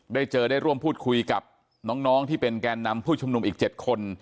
ได้เจอได้ร่วมพูดคุยกับน้องที่เป็นแกนนำผู้ชุมนุมอีก๗คน